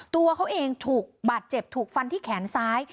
ตัวเขาเองถูกบาดเจ็บถูกฟันที่แขนซ้าย